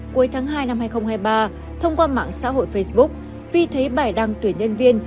cuối tháng hai năm hai nghìn hai mươi ba thông qua mạng xã hội facebook vi thấy bài đăng tuyển nhân viên